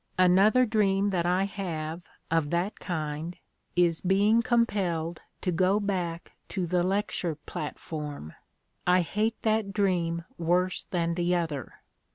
"Another dream that I have of that kind is being compelled to go back to the lecture platform. I hate that dream worse than the other.